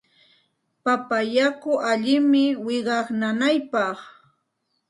Papa yaku allinmi wiqaw nanaypaq.